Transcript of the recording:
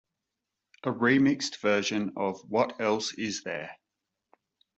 A remixed version of What Else Is There?